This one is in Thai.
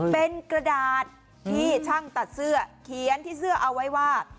เป็นกระดาษที่ช่างตัดเสื้อเขียนที่เสื้อเอาไว้ว่า